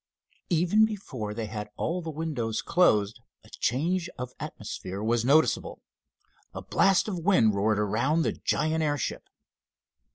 Even before they had all the windows closed a change of atmosphere was noticeable. A blast of wind roared around the giant airship.